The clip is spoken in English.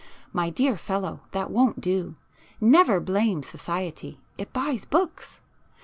My dear fellow, that won't do. Never blame society,—it buys books!